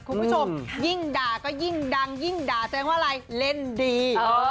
คุณผู้ชมยิ่งด่าก็ยิ่งดังยิ่งด่าแสดงว่าอะไรเล่นดี